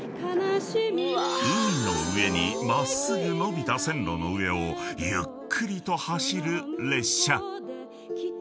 ［海の上に真っすぐ延びた線路の上をゆっくりと走る列車］